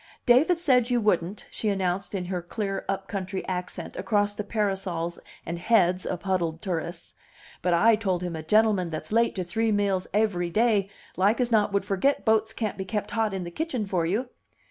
"David said you wouldn't," she announced in her clear up country accent across the parasols and heads of huddled tourists, "but I told him a gentleman that's late to three meals aivry day like as not would forget boats can't be kept hot in the kitchen for you."